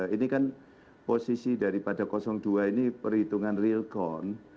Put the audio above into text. ini kan posisi daripada dua ini perhitungan realcon